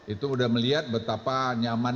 itu sudah melihat betapa nyaman